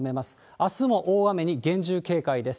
あすも大雨に厳重警戒が必要です。